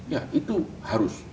ya itu harus